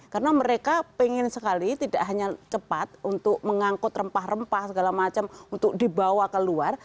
karena mereka pengen sekali tidak hanya cepat untuk mengangkut rempah rempah segala macam untuk dibawa keluar